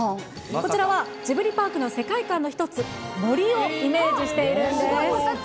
こちらはジブリパークの世界観の一つ、森をイメージしているんです。